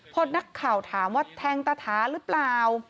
พอนักข่าวถามว่าแทงตาถาหรือเปล่า